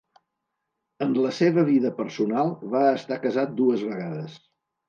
En la seva vida personal va estar casat dues vegades.